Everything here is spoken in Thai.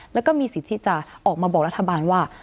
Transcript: แล้วก็มีสิทธิ์ที่จะออกมาบอกรัฐบาลว่า